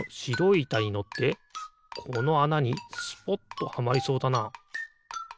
いたにのってこのあなにスポッとはまりそうだな。